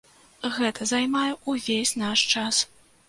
Гэта займае ўвесь наш час.